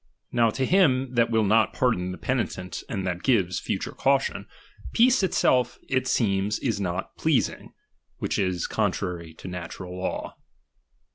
Now to him that will not pardon the penitent and that gives future caution, peace itself it seems is not pleasing : which is con trary to the natural law.